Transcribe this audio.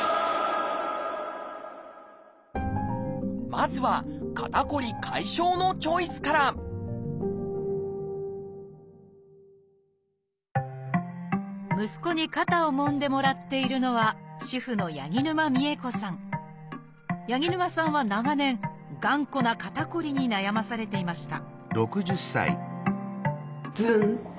まずは肩こり解消のチョイスから息子に肩をもんでもらっているのは主婦の八木沼さんは長年頑固な肩こりに悩まされていました